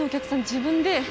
自分で。